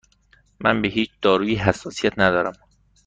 من به هیچ دارویی حساسیت ندارم.